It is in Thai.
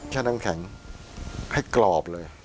ใช้แค่น้ำแข็งให้กรอบเลย